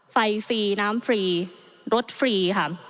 ไฟฟรีน้ำฟรีรถฟรี